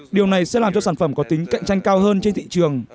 điều này sẽ làm cho sản phẩm có tính cạnh tranh cao hơn trên thị trường